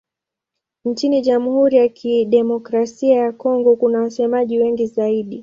Nchini Jamhuri ya Kidemokrasia ya Kongo kuna wasemaji wengi zaidi.